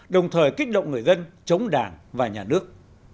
đồng thời kích động người dân chống đảng và nhà nước